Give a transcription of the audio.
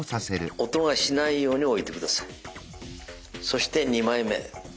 そして２枚目。